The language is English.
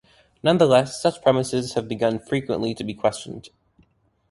Nonetheless such premises have begun frequently to be questioned.